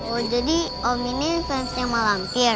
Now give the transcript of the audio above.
oh jadi omi ini fansnya mahalampir